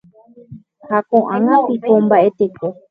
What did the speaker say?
Ha koʼág̃a piko mbaʼeteko?